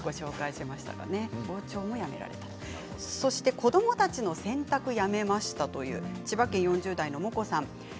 子どもたちの洗濯をやめましたという千葉県４０代の方です。